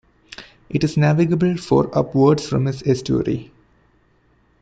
It is navigable for upwards from its estuary.